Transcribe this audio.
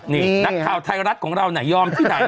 นี่นักข่าวไทยรัฐของเราน่ะยอมที่ไหน